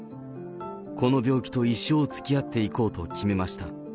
この病気と一生つきあっていこうと決めました。